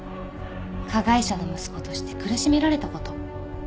加害者の息子として苦しめられたこと。